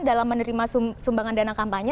dalam menerima sumbangan dana kampanye